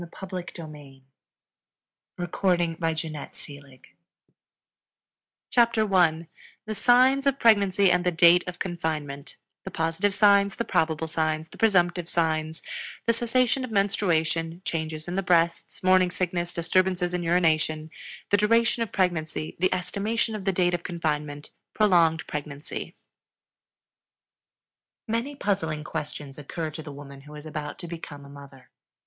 THE NURSING MOTHER GLOSSARY The Prospective Mother CHAPTER I THE SIGNS OF PREGNANCY AND THE DATE OF CONFINEMENT The Positive Signs The Probable Signs The Presumptive Signs: The Cessation of Menstruation; Changes in the Breasts; Morning Sickness; Disturbances in Urination The Duration of Pregnancy The Estimation of the Date of Confinement Prolonged Pregnancy. Many puzzling questions occur to the woman who is about to become a mother.